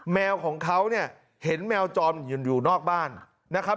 แมวของเขาเนี่ยเห็นแมวจรอยู่นอกบ้านนะครับ